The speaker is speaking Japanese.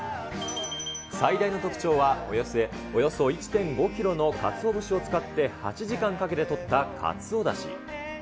最大の特徴はおよそ１．５キロのかつお節を使って、８時間かけてとったかつおだし。